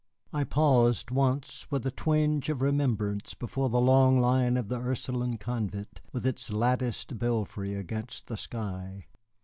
I paused once with a twinge of remembrance before the long line of the Ursuline convent, with its latticed belfry against the sky.